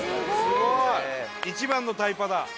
すごい！一番のタイパだ。